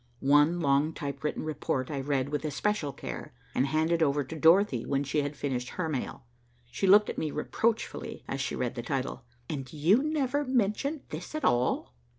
One long typewritten report I read with especial care, and handed over to Dorothy when she had finished her mail. She looked at me reproachfully, as she read the title. "And you never mentioned this at all."